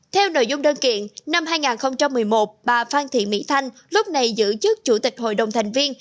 theo nội dung đơn kiện năm hai nghìn một mươi một bà phan thị mỹ thanh lúc này giữ chức chủ tịch hội đồng thành viên